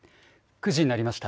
９時になりました。